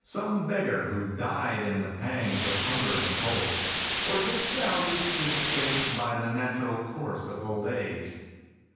— some beggar who died in the pangs of hunger and cold ? Or didst thou reach this state by the natural course of old age